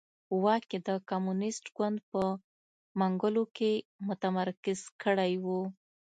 واک یې د کمونېست ګوند په منګولو کې متمرکز کړی و.